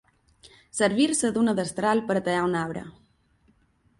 Servir-se d'una destral per a tallar un arbre.